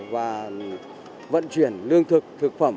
và vận chuyển lương thực thực phẩm